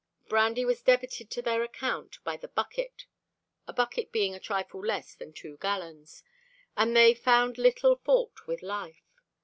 Brandy was debited to their account by the "bucket" (a bucket being a trifle less than two gallons), and they found little fault with life.